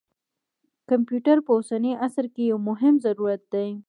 کمپیوټر په اوسني عصر کې یو مهم ضرورت دی.